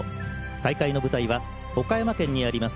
大会の舞台は岡山県にあります